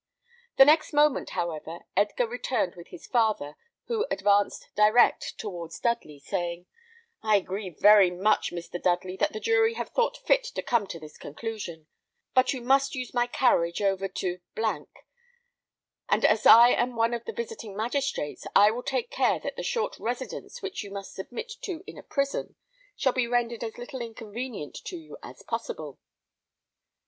The next moment, however, Edgar returned with his father, who advanced direct towards Dudley, saying, "I grieve very much, Mr. Dudley, that the jury have thought fit to come to this conclusion; but you must use my carriage over to , and as I am one of the visiting magistrates, I will take care that the short residence which you must submit to in a prison shall be rendered as little inconvenient to you as possible."